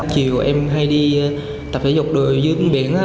chiều em hay đi tập thể dục đồi dưới bến biển